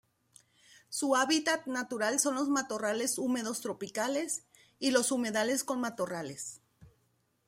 Su hábitat natural son los matorrales húmedos tropicales y los humedales con matorrales.